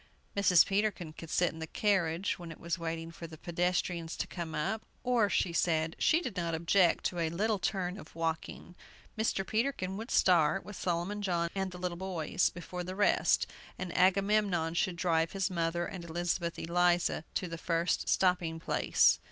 Mrs. Peterkin could sit in the carriage, when it was waiting for the pedestrians to come up; or, she said, she did not object to a little turn of walking. Mr. Peterkin would start, with Solomon John and the little boys, before the rest, and Agamemnon should drive his mother and Elizabeth Eliza to the first stopping place.